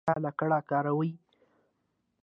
ایا لکړه کاروئ؟